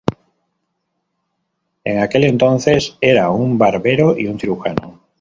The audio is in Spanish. En aquel entonces eran un barbero y un cirujano.